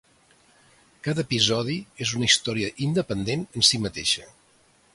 Cada episodi és una història independent en si mateixa.